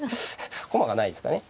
駒がないですからね。